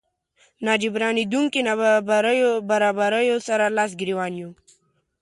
ناجبرانېدونکو نابرابريو سره لاس ګریوان يو.